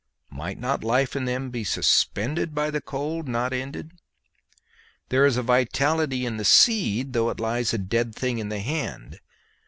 Might not life in them be suspended by the cold, not ended? There is vitality in the seed though it lies a dead thing in the hand.